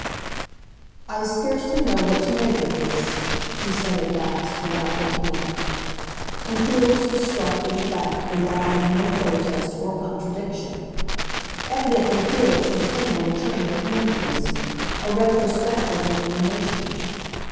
"I scarcely know what to make of this," he said at last, without looking up; and Felix was struck with the fact that he offered no protest or contradiction. Evidently Felix had kindled a train of memories—a retrospective illumination.